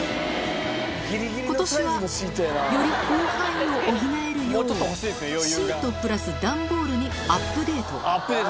ことしはより広範囲を補えるよう、シートプラス段ボールにアップデート。